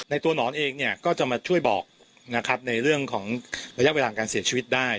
ตัวหนอนเองเนี่ยก็จะมาช่วยบอกนะครับในเรื่องของระยะเวลาการเสียชีวิตได้